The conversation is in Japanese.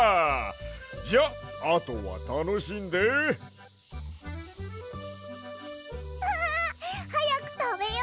じゃあとはたのしんで！わはやくたべよ！